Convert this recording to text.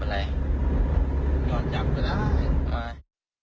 มันจับก็ได้